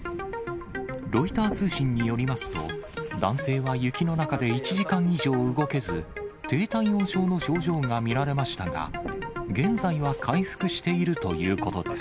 ロイター通信によりますと、男性は雪の中で１時間以上動けず、低体温症の症状が見られましたが、現在は回復しているということで